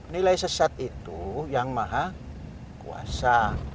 nilai sesat itu yang maha kuasa